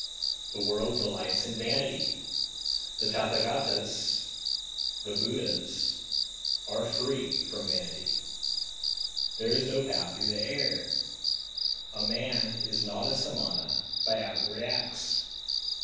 The world delights in vanity, the Tathagatas (the Buddhas) are free from vanity. 255. There is no path through the air, a man is not a Samana by outward acts.